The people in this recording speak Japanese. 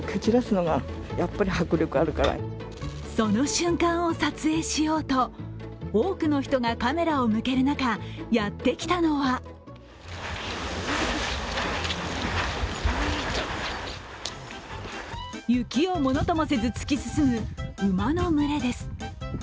その瞬間を撮影しようと多くの人がカメラを向ける中やってきたのは雪をものともせず突き進む馬の群れです。